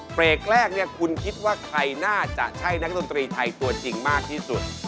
เบรกแรกเนี่ยคุณคิดว่าใครน่าจะใช่นักดนตรีไทยตัวจริงมากที่สุด